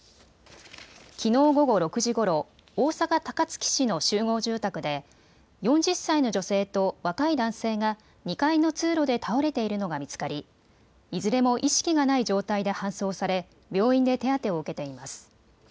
きのう午後６時ごろ大阪高槻市の集合住宅で４０歳の女性と若い男性が２階の通路で倒れているのが見つかりいずれも意識がない状態で搬送され病院で手当てを受けています。